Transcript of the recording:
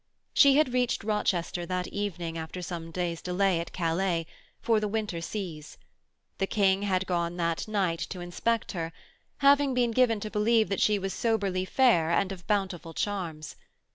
She had reached Rochester that evening after some days' delay at Calais, for the winter seas. The King had gone that night to inspect her, having been given to believe that she was soberly fair and of bountiful charms.